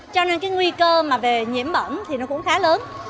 cho nên nguy cơ về nhiễm bẩn cũng khá lớn